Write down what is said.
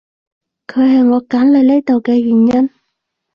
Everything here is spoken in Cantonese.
佢係我揀嚟呢度嘅原因